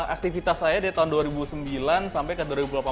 aktivitas saya dari tahun dua ribu sembilan sampai ke dua ribu delapan belas